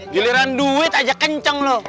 giliran duit aja kenceng loh